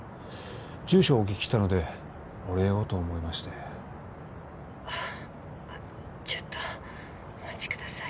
住所をお聞きしたのでお礼をと思いましてちょっとお待ちください